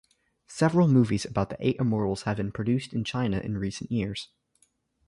Several movies about the Eight Immortals have been produced in China in recent years.